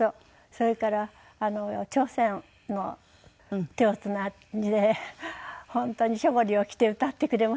それから朝鮮の手をつないで本当にチョゴリを着て歌ってくれました。